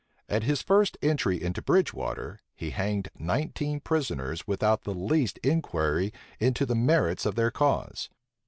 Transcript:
At his first entry into Bridge water, he hanged nineteen prisoners without the least inquiry into the merits of their cause.